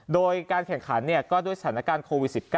โดยการแข่งขันก็ด้วยสถานการณ์โควิด๑๙